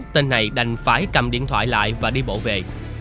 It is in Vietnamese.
tên này đành phải cầm điện thoại lại và đi bộ về